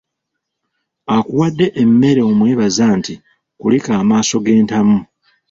Akuwadde emmere omwebaza nti kulika amaaso g’entamu.